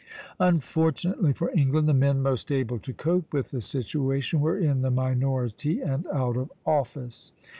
Unfortunately for England, the men most able to cope with the situation were in the minority and out of office.